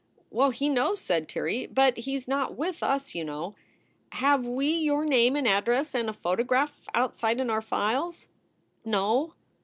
"Well, he knows," said Tirrey, "but he s not with us, you know. Have we your name and address and a photo graph outside in our files?" "No."